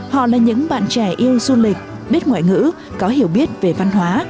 họ là những bạn trẻ yêu du lịch biết ngoại ngữ có hiểu biết về văn hóa